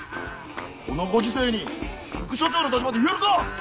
このご時世に副署長の立場で言えるか！